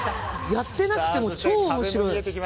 やってなくても超面白い。